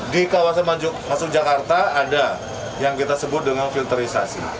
di kawasan masuk jakarta ada yang kita sebut dengan filterisasi